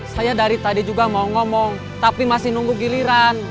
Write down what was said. saya dari tadi juga mau ngomong tapi masih nunggu giliran